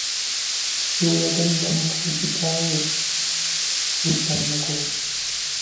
Lw'oyagaliza mukaakitaawo, lutta nnyoko.